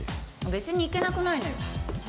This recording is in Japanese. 別にいけなくないのよ。